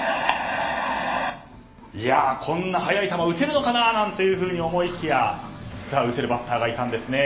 こんな速い球打てるのかなと思いきや実は打てるバッターがいたんですね。